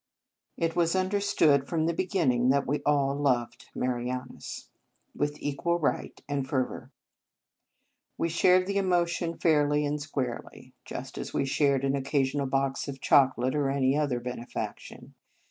It was under stood from the beginning that we all loved Marianus with equal right and fervour. We shared the emotion fairly and squarely, just as we shared an occasional box of candy, or any other benefaction.